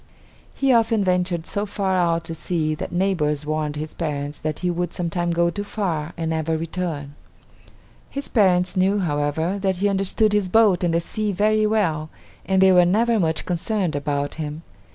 He often ventured so far out to sea that neighbors warned his parents that he would sometime go too far and never return. His parents knew, however, that he understood his boat and the sea very well, and they were never much concerned about him.